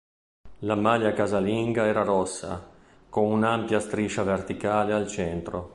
La maglia casalinga era rossa, con un'ampia striscia verticale al centro.